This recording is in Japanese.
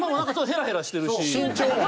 ヘラヘラしてるし。